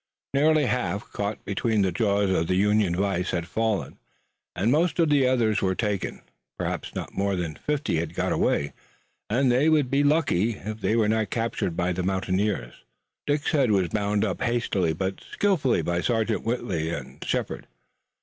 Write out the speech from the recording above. Nearly half, caught between the jaws of the Union vise, had fallen, and most of the others were taken. Perhaps not more than fifty had got away, and they would be lucky if they were not captured by the mountaineers. Dick's head was bound up hastily but skillfully by Sergeant Whitley and Shepard.